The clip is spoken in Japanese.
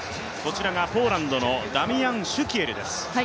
ポーランドのダミアン・シュキエルです。